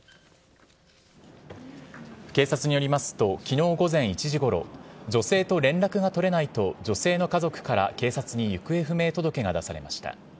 警察によりますときのう午前１時ごろ、女性と連絡が取れないと女性の家族から警察に行方不明届が出されました。